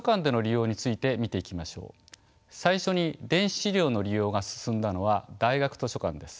最初に電子資料の利用が進んだのは大学図書館です。